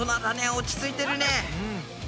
落ち着いてるね。